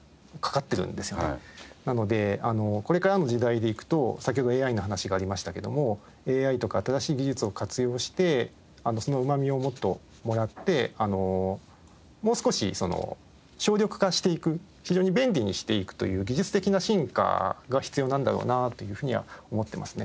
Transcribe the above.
なのでこれからの時代でいくと先ほどＡＩの話がありましたけどもＡＩとか新しい技術を活用してそのうまみをもっともらってもう少し省力化していく非常に便利にしていくという技術的な進化が必要なんだろうなというふうには思ってますね。